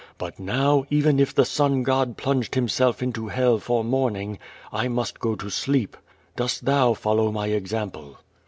But now, even if the Sun god plunged himself into hell for mourning, I must go to sleep. Dost thou follow my example."